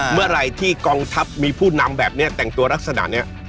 เมื่อไหร่ที่กองทัพมีผู้นำแบบนี้แต่งตัวลักษณะนี้